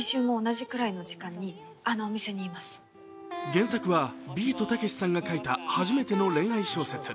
原作はビートたけしさんが書いた初めての恋愛小説。